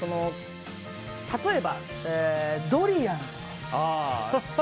例えばドリアン。